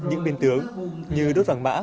những biên tướng như đốt vàng mã